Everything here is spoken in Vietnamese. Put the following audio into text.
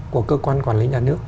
của cơ quan quản lý nhà nước